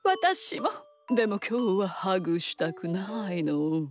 でもきょうはハグしたくないの。